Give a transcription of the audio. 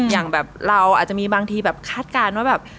อย่างแบบเราอาจจะมีบางทีแบบคาดการณ์ว่าแบบ